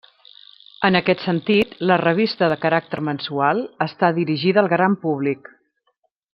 En aquest sentit, la revista, de caràcter mensual, està dirigida al gran públic.